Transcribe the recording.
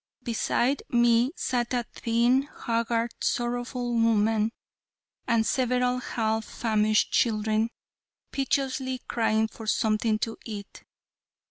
Beside me sat a thin, haggard, sorrowful woman and several half famished children piteously crying for something to eat.